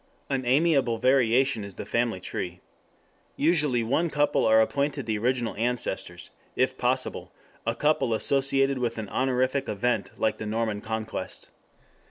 An amiable variation is the family tree. Usually one couple are appointed the original ancestors, if possible, a couple associated with an honorific event like the Norman Conquest.